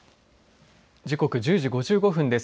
時刻は１０時５５分です。